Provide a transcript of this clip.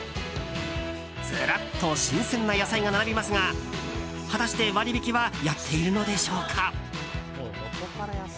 ずらっと新鮮な野菜が並びますが果たして割引はやっているのでしょうか。